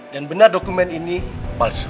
dan benar dokumen ini palsu